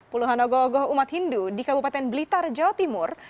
puluhan ogoh ogoh umat hindu di kabupaten blitar jawa timur